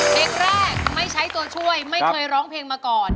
เพลงแรกไม่ใช้ตัวช่วยไม่เคยร้องเพลงมาก่อน